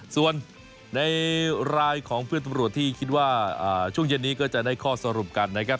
ส่วนในรายของเพื่อนตำรวจที่คิดว่าช่วงเย็นนี้ก็จะได้ข้อสรุปกันนะครับ